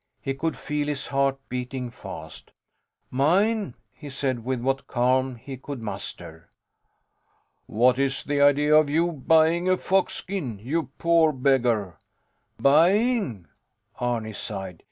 He could feel his heart beating fast. Mine, he said, with what calm he could muster. What is the idea of you buying a fox skin, you poor beggar? Buying? Arni sighed.